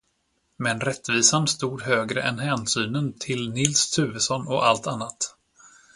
Men rättvisan stod högre än hänsynen till Nils Tuvesson och allt annat.